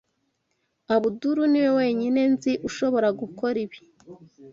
Abdul niwe wenyine nzi ushobora gukora ibi.